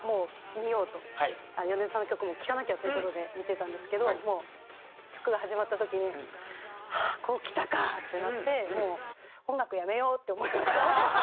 米津さんの曲も聴かなきゃっていう事で見てたんですけどもう曲が始まった時に「はあこうきたか」ってなってもう音楽やめようって思いましたね。